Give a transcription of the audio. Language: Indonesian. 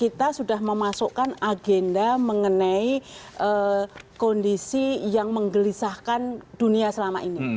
kita sudah memasukkan agenda mengenai kondisi yang menggelisahkan dunia selama ini